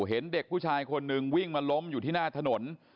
เห็นเด็กผู้ชายคนหนึ่งวิ่งมาล้มอยู่ที่หน้าถนน